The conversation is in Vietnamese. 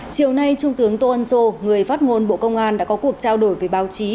chiều nay trung tướng tô ân sô người phát ngôn bộ công an đã có cuộc trao đổi với báo chí